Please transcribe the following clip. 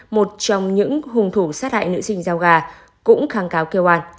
một trong những hùng thủ sát hại nữ sinh giao gà cũng kháng cáo kêu an